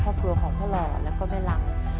ครอบครัวของพ่อหล่อแล้วก็แม่ลัง